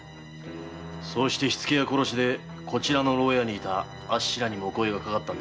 そうして火つけや殺しでここの牢屋にいたあっしらにもお声が掛かったんですね。